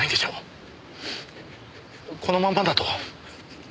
このままだと。